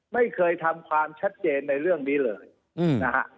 ไม่เคยทำความชัดเจนในเรื่องนี้เลยนะฮะ